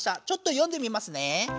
ちょっと読んでみますね。